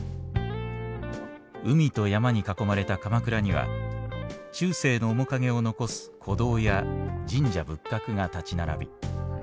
海と山に囲まれた鎌倉には中世の面影を残す古道や神社仏閣が立ち並び